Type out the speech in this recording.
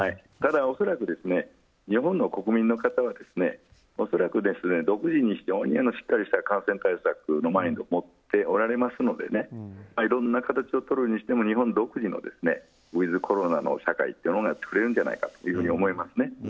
ただ、恐らく日本の国民の方は独自に非常にしっかりした感染対策のマインドを持っておられますのでいろんな形をとるにしても日本独自のウィズコロナの社会というのがとれるんじゃないかと思いますね。